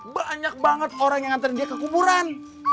banyak banget orang yang ngantarin dia ke kuburan